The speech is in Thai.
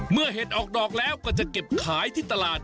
เห็ดออกดอกแล้วก็จะเก็บขายที่ตลาด